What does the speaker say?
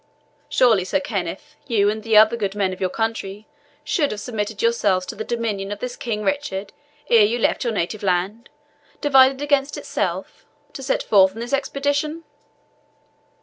Surely, Sir Kenneth, you and the other good men of your country should have submitted yourselves to the dominion of this King Richard ere you left your native land, divided against itself, to set forth on this expedition?"